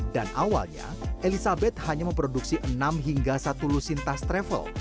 awalnya elizabeth hanya memproduksi enam hingga satu lusin tas travel